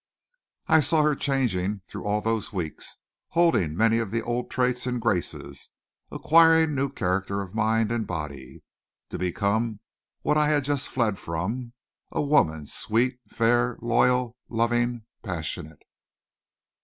I saw her changing through all those weeks, holding many of the old traits and graces, acquiring new character of mind and body, to become what I had just fled from a woman sweet, fair, loyal, loving, passionate.